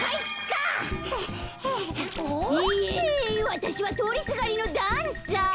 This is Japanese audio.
わたしはとおりすがりのダンサー。